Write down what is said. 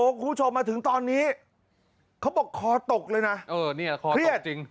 คุณผู้ชมมาถึงตอนนี้เขาบอกคอตกเลยนะคอเครียดจริง